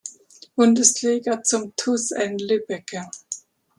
Bundesliga zum TuS N-Lübbecke.